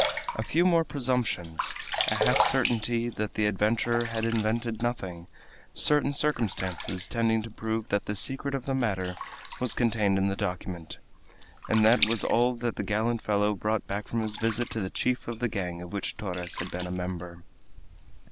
A few more presumptions, a half certainty that the adventurer had invented nothing, certain circumstances tending to prove that the secret of the matter was contained in the document and that was all that the gallant fellow brought back from his visit to the chief of the gang of which Torres had been a member.